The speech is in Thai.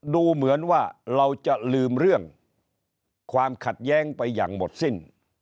ดูเหมือนว่าเราจะลืมเรื่องความขัดแย้งไปอย่างหมดสิ้น